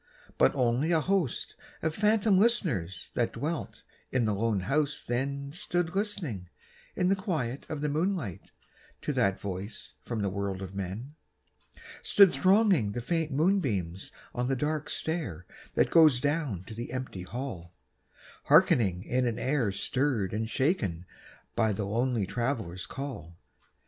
But only a host of phantom listeners That dwelt in the lone house then Stood listening in the quiet of the moonlight To that voice from the world of men: Stood thronging the faint moonbeams on the dark stair That goes down to the empty hall, Hearkening in an air stirred and shaken By the lonely Traveler's call.